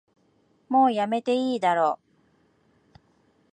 もうやめていいだろ